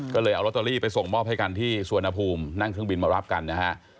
ก็เลยเอาลอตเตอรี่ไปส่งมอบให้กันที่สวนภูมินั่งเครื่องบินมารับกันนะฮะ